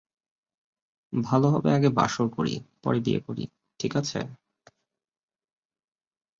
ভালো হবে আগে বাসর করি পরে বিয়ে করি, ঠিক আছে?